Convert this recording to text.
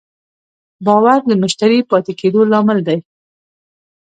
باور د مشتری پاتې کېدو لامل دی.